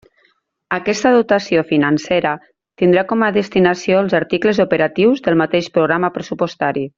Aquesta dotació financera tindrà com a destinació els articles operatius del mateix programa pressupostari.